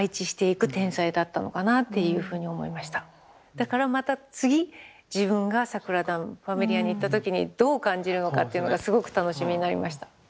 だからまた次自分がサグラダ・ファミリアに行った時にどう感じるのかっていうのがすごく楽しみになりました。